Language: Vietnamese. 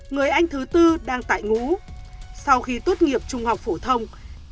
người anh thứ tư đang tại ngũ sau khi tốt nghiệp trung học phổ thông